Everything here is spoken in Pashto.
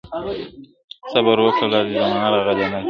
صبر وکړه لا دي زمانه راغلې نه ده.